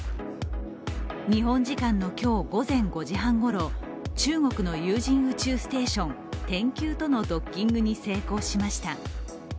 日本時間の今日午前５時半ごろ、中国の有人宇宙ステーション「天宮」とのドッキングに成功しました。